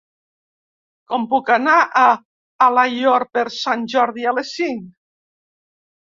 Com puc anar a Alaior per Sant Jordi a les cinc?